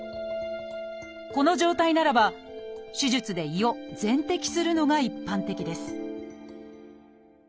この状態ならば手術で胃を全摘するのが一般的です